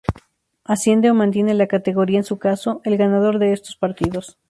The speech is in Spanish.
Asciende, o mantiene la categoría en su caso, el ganador de estos partidos